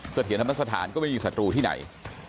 เถียรธรรมสถานก็ไม่มีศัตรูที่ไหน